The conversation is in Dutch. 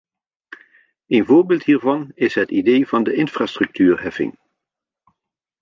Een voorbeeld hiervan is het idee van de infrastructuurheffing.